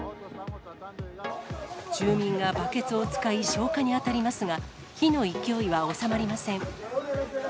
住民がバケツを使い、消火に当たりますが、火の勢いは収まりません。